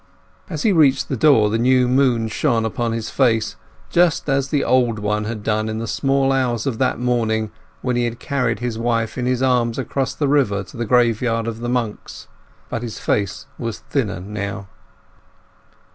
As he reached the door the new moon shone upon his face, just as the old one had done in the small hours of that morning when he had carried his wife in his arms across the river to the graveyard of the monks; but his face was thinner now.